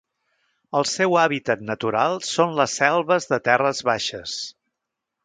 El seu hàbitat natural són les selves de terres baixes.